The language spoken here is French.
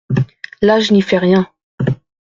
L’âge n’y fait rien !…